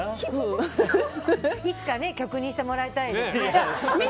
いつか曲にしてもらいたいですね。